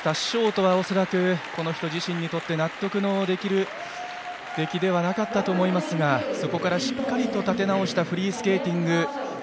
ショートは恐らくこの人自身にとって納得のできる出来ではなかったと思いますがそこからしっかりと立て直したフリースケーティング。